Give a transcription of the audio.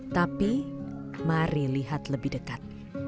tapi mari lihat lebih dekat